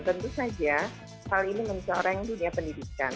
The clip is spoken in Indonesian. tentu saja hal ini mencoreng dunia pendidikan